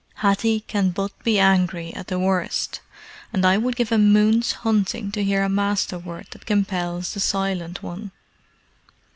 Hathi can but be angry at the worst, and I would give a moon's hunting to hear a Master word that compels the Silent One."